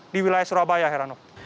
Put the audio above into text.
di wilayah surabaya erhanov